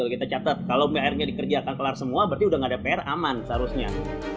kita catat kalau pr nya dikerjakan kelar semua berarti udah nggak ada pr aman seharusnya